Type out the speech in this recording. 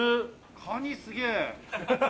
カニ、すげえ。